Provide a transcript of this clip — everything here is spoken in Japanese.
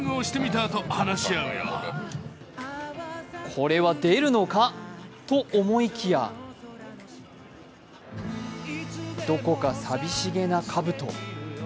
これは出るのかと思いきやどこか寂しげなかぶと。